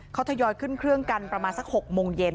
เขาทยอยขึ้นเครื่องกันประมาณสัก๖โมงเย็น